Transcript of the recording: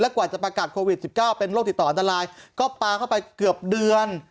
กว่าจะประกาศโควิด๑๙เป็นโรคติดต่ออันตรายก็ปลาเข้าไปเกือบเดือน